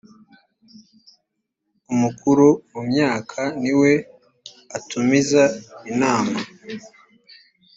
umukuru mu myaka niwe atumiza inama.